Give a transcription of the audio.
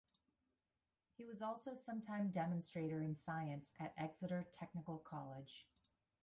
He was also sometime Demonstrator In Science at Exeter Technical College.